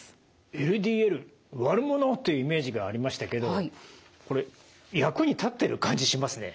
ＬＤＬ悪者というイメージがありましたけどこれ役に立ってる感じしますね。